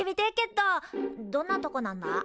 どどんなとこなんだ？